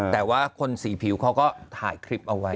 แต่ว่าคนสีผิวเขาก็ถ่ายคลิปเอาไว้